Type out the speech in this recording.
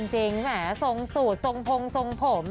จริงส่งสูตรส่งโผงส่งผม